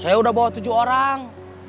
saya udah bawa tujuh orang